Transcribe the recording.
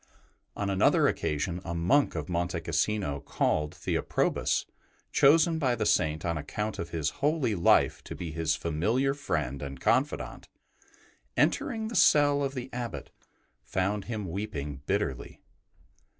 On another occasion a monk of Monte Cassino called Theoprobus, chosen by the Saint on account of his holy life to be his familiar friend and confidant, entering the cell of the Abbot, found him weeping bitterly.